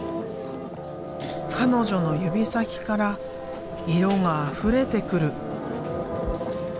彼女の指先から色があふれてくる。